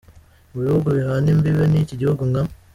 mu bihugu bihana imbibe niki gihugu nka.